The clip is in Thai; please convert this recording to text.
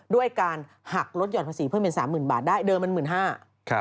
ด้วยการหักลดหย่อนภาษีเพิ่มเป็น๓๐๐๐บาทได้เดิมมัน๑๕๐๐บาท